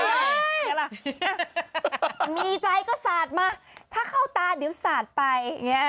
ยังไงล่ะมีใจก็สาดมาถ้าเข้าตาเด้ยิ้มสาดไป